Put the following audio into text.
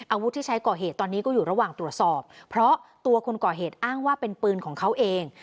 อาวุธที่ใช้ก่อเหตุตอนนี้ก็อยู่ระหว่างตรวจสอบเพราะตัวคนก่อเหตุอ้างว่าเป็นปืนของเขาเอง